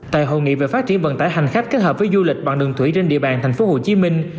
tại hội nghị về phát triển vận tải hành khách kết hợp với du lịch bằng đường thủy trên địa bàn thành phố hồ chí minh